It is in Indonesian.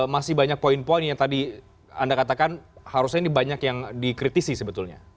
masih banyak poin poin yang tadi anda katakan harusnya ini banyak yang dikritisi sebetulnya